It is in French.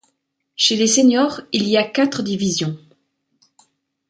Chez les seniors, il y a quatre divisions.